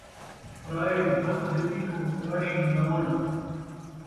پرائے بھت دے پچھوں ݙاڑھی مُناوݨ